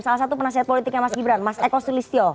salah satu penasehat politiknya mas gibran mas eko sulistyo